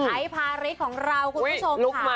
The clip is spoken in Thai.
อายพาริชของเราคุณผู้ชม